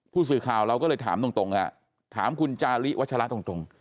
ผู้สื่อข่าวเราก็เลยถามตรงฮะถามคุณจาริวัชละตรง